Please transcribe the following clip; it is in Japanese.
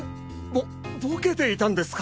ボボケていたんですか？